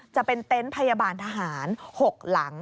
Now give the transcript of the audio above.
จะเป็นเต็นต์พยาบาลทหาร๖หลัง